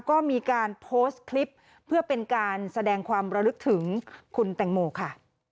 ก็มีการโพสต์คลิปเพื่อเป็นการแสดงความระลึกถึงคุณแตงโมค่ะ